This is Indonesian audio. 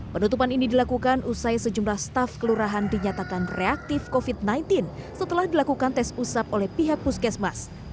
penutupan ini dilakukan usai sejumlah staf kelurahan dinyatakan reaktif covid sembilan belas setelah dilakukan tes usap oleh pihak puskesmas